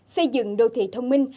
xây dựng đô thị thông minh